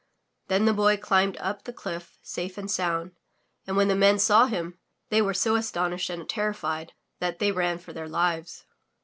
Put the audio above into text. Then the Boy climbed up the cliff safe and sound, and when the Men saw him they were so astonished and terrified that they ran for their lives.